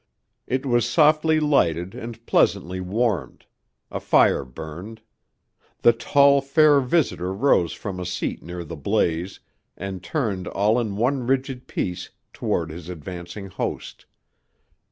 It was softly lighted and pleasantly warmed. A fire burned. The tall, fair visitor rose from a seat near the blaze and turned all in one rigid piece toward his advancing host.